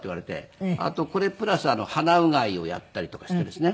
あとこれプラス鼻うがいをやったりとかしてですね。